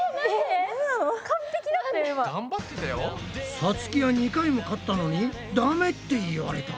さつきは２回も勝ったのにダメって言われた。